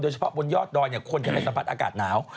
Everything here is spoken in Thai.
โดยเฉพาะบนยอดดอยเนี่ยคนจะไม่สรรพัดอากาศหนาว